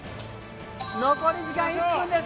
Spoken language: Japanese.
残り時間１分です。